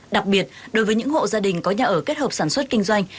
đặc biệt đối với những hộ gia đình có nhà ở kết hợp sản xuất kinh doanh